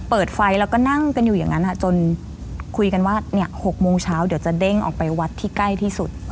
เปิดไฟแล้วก็นั่งกันอยู่อย่างนั้นจนคุยกันว่า๖โมงเช้าเดี๋ยวจะเด้งออกไปวัดที่ใกล้ที่สุด